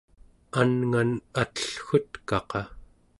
anngan atellgutkaqa